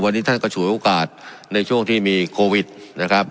วันนี้ท่านก็ฉวยโอกาสในช่วงที่มีโควิดนะครับ